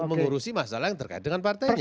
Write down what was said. mengurusi masalah yang terkait dengan partainya